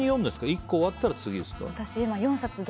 １個終わったら次ですか？